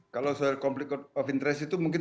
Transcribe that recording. kalau soal konflik of interest itu mungkin